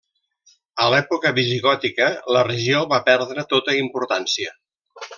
A l'època visigòtica la regió va perdre tota importància.